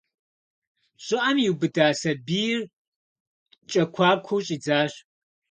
ЩӀыӀэм иубыда сабийр кӀэкуакуэу щӀидзащ.